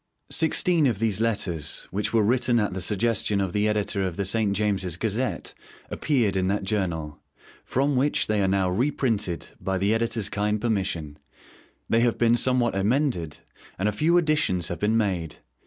Sixteen of these Letters, which were written at the suggestion of the editor of the 'St. James's Gazette,' appeared in that journal, from which they are now reprinted, by the editor's kind permission. They have been somewhat emended, and a few additions have been made.